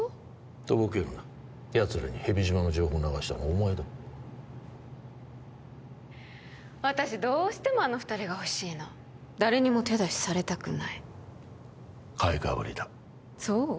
とぼけるなやつらに蛇島の情報流したのはお前だ私どうしてもあの二人が欲しいの誰にも手出しされたくない買いかぶりだそう？